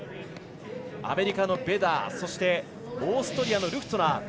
アメリカのベダーそして、オーストリアのルフトゥナー。